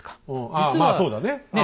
ああまあそうだね。